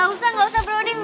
oh gak usah gak usah broding